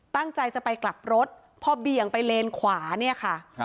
ตั้งใจจะไปกลับรถพอเบี่ยงไปเลนขวาเนี่ยค่ะ